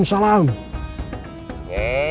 ikican tahu bahwa